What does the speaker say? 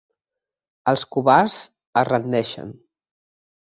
Els covards es rendeixen.